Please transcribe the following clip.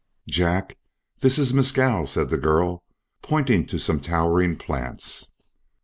"Jack, this is mescal," said the girl, pointing to some towering plants.